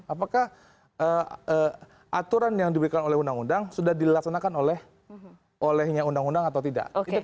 apakah aturan yang diberikan oleh undang undang sudah dilaksanakan olehnya undang undang atau tidak